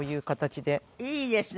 いいですね。